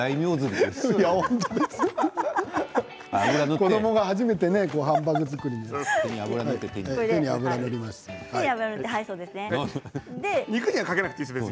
子どもが初めてハンバーグ作りをするようで。